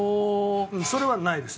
それはないです